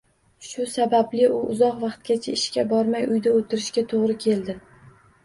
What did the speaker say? Shu sababli u uzoq vaqtgacha ishga bormay, uyda o`tirishiga to`g`ri keldi